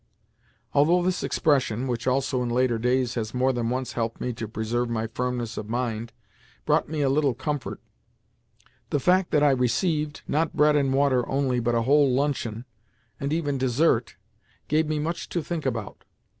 '" Although this expression (which also in later days has more than once helped me to preserve my firmness of mind) brought me a little comfort, the fact that I received, not bread and water only, but a whole luncheon, and even dessert, gave me much to think about.